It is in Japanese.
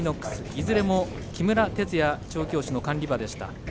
いずれも木村哲也管理馬でした。